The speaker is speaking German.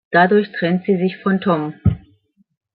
Dadurch trennt sie sich von Tom.